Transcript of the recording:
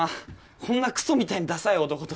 こんなクソみたいにダサい男と。